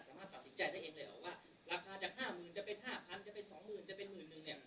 ราคาจาก๕๐๐๐จะเป็น๕๐๐๐จะเป็น๒๐๐๐๐จะเป็น๑๐๐๐๐เนี่ย